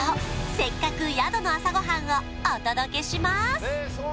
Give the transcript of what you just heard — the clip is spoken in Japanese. せっかく宿の朝ごはんをお届けします